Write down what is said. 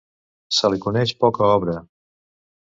Se li coneix poca obra.